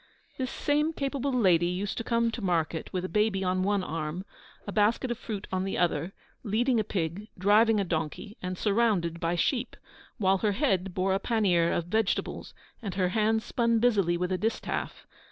This same capable lady used to come to market with a baby on one arm, a basket of fruit on the other, leading a pig, driving a donkey, and surrounded by sheep, while her head bore a pannier of vegetables, and her hands spun busily with a distaff.